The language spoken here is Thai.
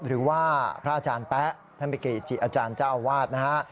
หรือว่าพระอาจารย์แป๊ะธรรมิกิจิอาจารย์เจ้าวาสนะฮะ